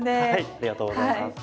ありがとうございます。